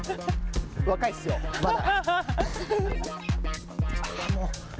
若いですよ、まだ。